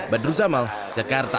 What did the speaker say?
badru zamal jakarta